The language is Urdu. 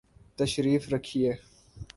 تشریف رکھئے